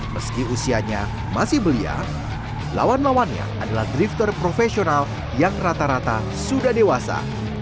meski usianya masih belia lawan lawannya adalah drifter profesional yang rata rata sudah dewasa